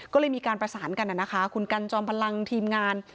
ก็เลยมีการประสานกันนะคะคุณกันจอมพลังทีมงาน